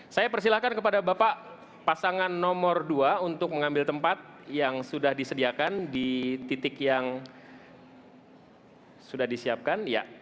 saya persilahkan kepada bapak pasangan nomor dua untuk mengambil tempat yang sudah disediakan di titik yang sudah disiapkan